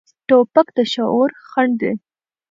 توپک د شعور خنډ دی.